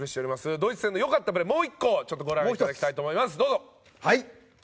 ドイツ戦の良かったプレーもう１個ご覧いただきたいと思います。